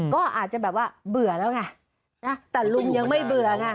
ก็อาจจะแบบว่าเบื่อแล้วไงนะแต่ลุงยังไม่เบื่อไง